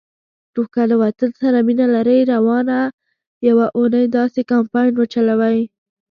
نو که له وطن سره مینه لرئ، روانه یوه اونۍ داسی کمپاین وچلوئ